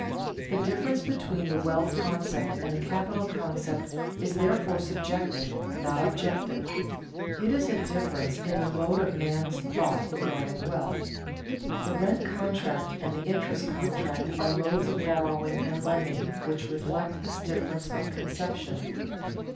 The difference between the wealth concept and the capital concept is therefore subjective, not objective; it is a difference in the mode of man's thought regarding wealth. The rent contract and the interest contract are modes of borrowing and lending which reflect this difference of conception.